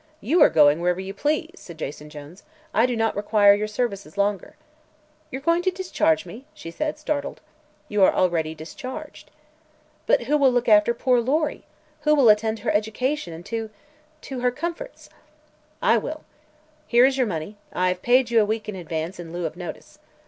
"You are going wherever you please," said Jason Jones. "I do not require your services longer." "You're going to discharge me?" she said, startled. "You are already discharged." "But who will look after poor Lory? Who will attend to her education, and to to her comforts?" "I will. Here is your money. I have paid you a week in advance, in lieu of notice."